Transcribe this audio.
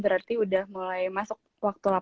berarti udah mulai masuk waktu delapan tahun